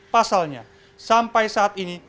pasalnya sampai saat ini